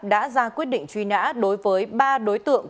đã ra quyết định truy nã đối với ba đối tượng